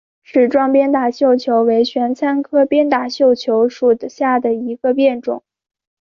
齿状鞭打绣球为玄参科鞭打绣球属下的一个变种。